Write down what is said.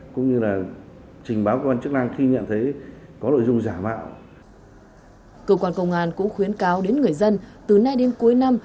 cơ quan công an cũng khuyến cáo đến người dân từ nay đến cuối năm